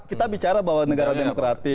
kita bicara bahwa negara demokratis